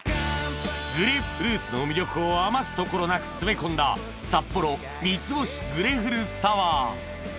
グレープフルーツの魅力を余すところなく詰め込んだ「サッポロ三ツ星グレフルサワー」